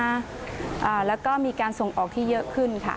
มีการพัฒนาและก็มีการส่งออกที่เยอะขึ้นค่ะ